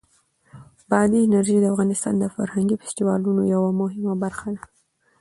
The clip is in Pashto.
بادي انرژي د افغانستان د فرهنګي فستیوالونو یوه مهمه برخه ده.